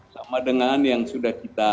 sama dengan yang sudah kita